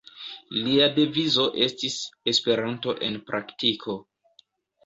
Lia devizo estis: «Esperanto en praktiko».